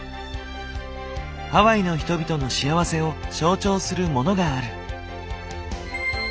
ハワイの人々の幸せを象徴するモノがある。